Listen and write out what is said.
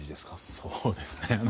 そうですね。